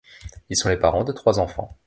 Ils sont les parents de trois enfants.